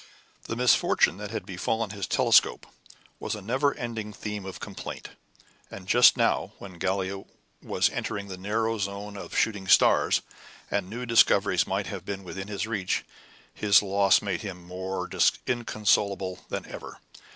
The misfortune that had befallen his telescope was a never ending theme of complaint; and just now, when Gallia was entering the narrow zone of shooting stars, and new discoveries might have been within his reach, his loss made him more inconsolable than ever.